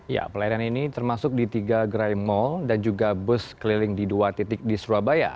ya pelayanan ini termasuk di tiga gerai mal dan juga bus keliling di dua titik di surabaya